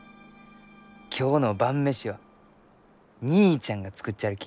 今日の晩飯は義兄ちゃんが作っちゃるき。